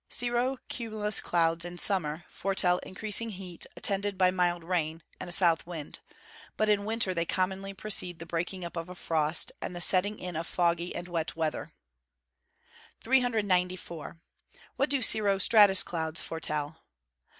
_ Cirro cumulus clouds, in summer, foretell increasing heat attended by mild rain, and a south wind; but in winter they commonly precede the breaking up of a frost, and the setting in of foggy and wet weather. (Fig. 4.) 394. _What do cirro stratus clouds foretell?